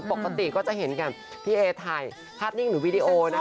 ปกติก็จะเห็นกันพี่เอถ่ายภาพนิ่งหรือวีดีโอนะคะ